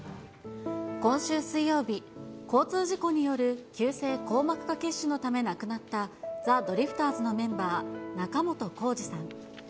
今週水曜日、交通事故による急性硬膜下血腫のため亡くなった、ザ・ドリフターズのメンバー、仲本工事さん。